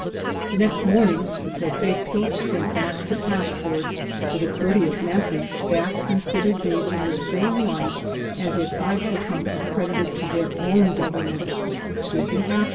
The next morning the prefeto sent back the passport, with a courteous message that they considered me in the same light as if I had come accredited to their own government, would be happy.